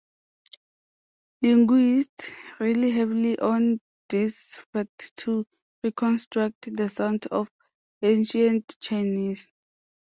Linguists rely heavily on this fact to reconstruct the sounds of ancient Chinese.